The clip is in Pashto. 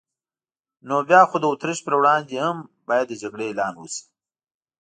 نو بیا خو د اتریش پر وړاندې هم باید د جګړې اعلان وشي.